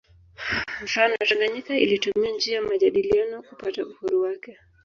Mfano Tanganyika ilitumia njia majadiliano kupata uhuru wake